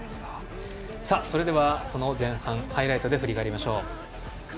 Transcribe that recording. それでは前半をハイライトで振り返りましょう。